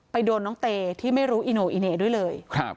ไปโดนน้องเตที่ไม่รู้อิโนะอิเนะด้วยเลยครับ